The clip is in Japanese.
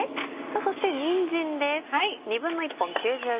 そしてにんじんです。